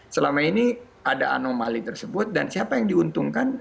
selama ini ada anomali tersebut dan siapa yang diuntungkan